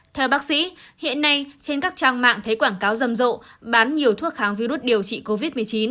theo bác sĩ hiện nay trên các trang mạng thấy quảng cáo rầm rộ bán nhiều thuốc kháng virus điều trị covid một mươi chín